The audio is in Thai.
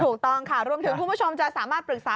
ถูกต้องค่ะรวมถึงคุณผู้ชมจะสามารถปรึกษา